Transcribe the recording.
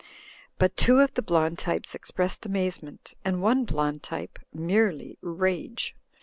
But two of the blond types expressed amazement, and one blond type merely rage.